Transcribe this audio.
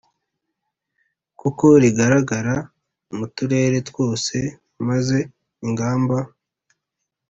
Kuko rigaragara mu turere twose maze ingamba